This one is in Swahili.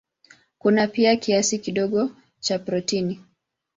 Kuna pia kiasi kidogo cha protini.